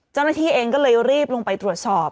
เจ้าหน้าที่เองก็เลยรีบลงไปตรวจสอบ